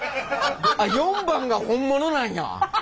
あっ４番が本物なんや。